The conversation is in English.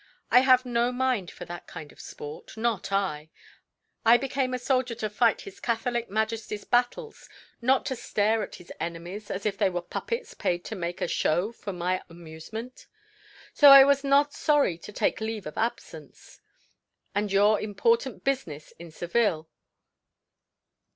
I have no mind for that kind of sport, not I! I became a soldier to fight His Catholic Majesty's battles, not to stare at his enemies as if they were puppets paid to make a show for my amusement. So I was not sorry to take leave of absence." "And your important business in Seville.